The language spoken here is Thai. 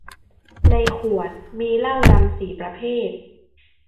ในขวดมีเหล้ารัมสี่ประเภท